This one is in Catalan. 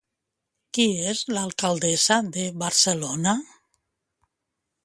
Qui és l'alcaldessa de Barcelona?